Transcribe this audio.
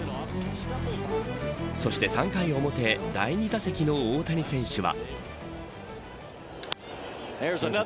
そして３回表、第２打席の大谷選手は。